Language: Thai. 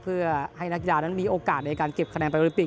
เพื่อให้นักกีฬานั้นมีโอกาสในการเก็บคะแนนไปโอลิมปิก